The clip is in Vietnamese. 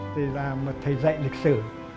thì là một thầy dạy lịch sử